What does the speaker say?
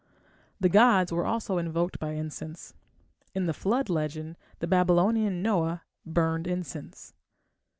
The gods were also invoked by incense. In the Flood legend the Babylonian Noah burned incense.